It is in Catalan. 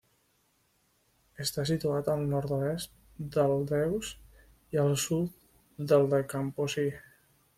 Està situat al nord-oest del d'Eus i al sud del de Campossí.